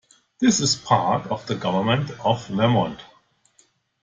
It is part of the Government of Vermont.